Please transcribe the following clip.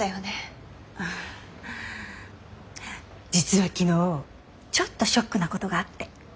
実は昨日ちょっとショックなことがあって。